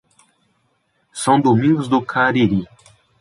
São Domingos do Cariri